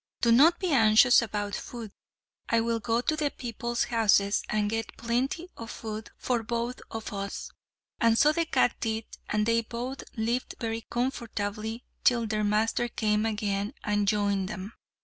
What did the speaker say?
Do not be anxious about food. I will go to the people's houses and get plenty of food for both of us." And so the cat did, and they both lived very comfortably till their master came again and joined them.